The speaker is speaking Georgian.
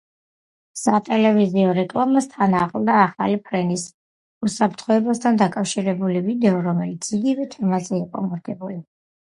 სატელევიზიო რეკლამას თან ახლდა ახალი ფრენის უსაფრთხოებასთან დაკავშირებული ვიდეო, რომელიც იგივე თემაზე იყო მორგებული.